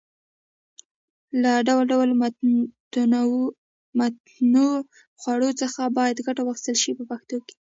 له ډول ډول متنوعو خوړو څخه باید ګټه واخیستل شي په پښتو کې.